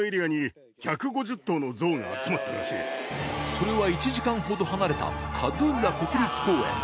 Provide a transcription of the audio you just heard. それは１時間ほど離れたカドゥッラ国立公園